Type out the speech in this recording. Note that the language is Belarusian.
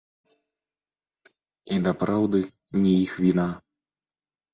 І дапраўды, не іх віна.